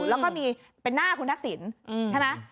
แล้วก็มีเป็นหน้าคุณทักษิณใช่ไหม